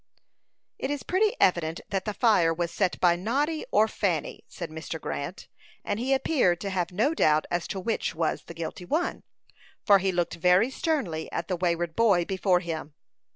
"It is pretty evident that the fire was set by Noddy or Fanny," said Mr. Grant; and he appeared to have no doubt as to which was the guilty one, for he looked very sternly at the wayward boy before him.